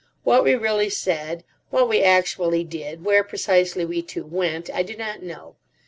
What we really said, what we actually did, where precisely we two went, I do not know.